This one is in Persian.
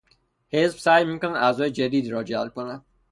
حزب سعی میکند اعضای جدیدی را جلب کند.